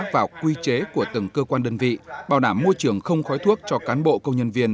vào quy chế của từng cơ quan đơn vị bảo đảm môi trường không khói thuốc cho cán bộ công nhân viên